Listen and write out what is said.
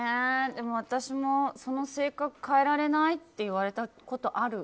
でも私もその性格変えられない？って言われてことある。